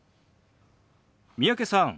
三宅さん